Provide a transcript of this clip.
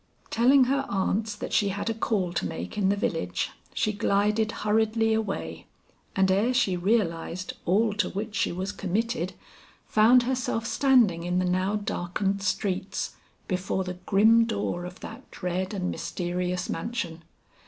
Telling her aunts that she had a call to make in the village, she glided hurriedly away, and ere she realized all to which she was committed, found herself standing in the now darkened streets, before the grim door of that dread and mysterious mansion.